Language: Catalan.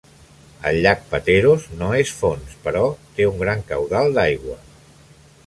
El llac Pateros no és fons però té un gran caudal d"aigua.